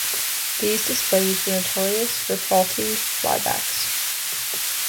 These displays were notorious for faulty flybacks.